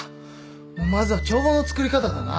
もうまずは帳簿の作り方だな。